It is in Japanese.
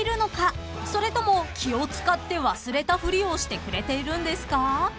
［それとも気を使って忘れたふりをしてくれているんですか？］